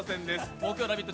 木曜「ラヴィット！」